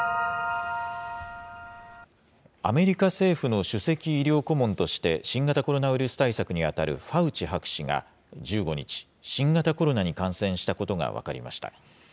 アメリカ政府の首席医療顧問として、新型コロナウイルス対策に当たるファウチ博士が、１５日、新型コロナに感染したことが分かりました。